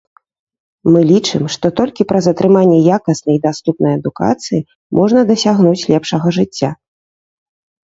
Мы лічым, што толькі праз атрыманне якаснай і даступнай адукацыі можна дасягнуць лепшага жыцця.